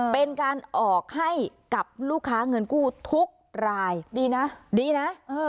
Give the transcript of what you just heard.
เป็นการออกให้กับลูกค้าเงินกู้ทุกรายดีนะดีนะ